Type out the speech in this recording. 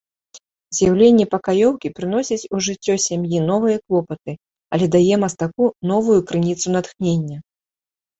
З'яўленне пакаёўкі прыносіць у жыццё сям'і новыя клопаты, але дае мастаку новую крыніцу натхнення.